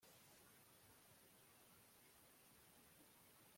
gufunga umunwa kuri yo, nkibinini bisangira